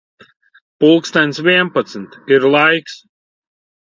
Pulkstens vienpadsmit. Ir laiks.